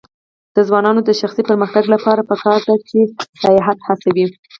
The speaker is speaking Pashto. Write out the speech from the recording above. د ځوانانو د شخصي پرمختګ لپاره پکار ده چې سیاحت هڅوي.